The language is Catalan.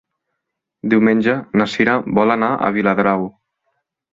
Diumenge na Sira vol anar a Viladrau.